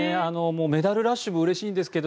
メダルラッシュもうれしいんですけど